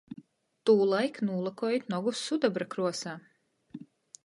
Tūlaik nūlakojit nogus sudobra kruosā!